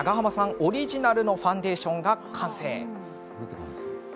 オリジナルのファンデーションが完成。